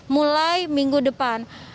mulai minggu depan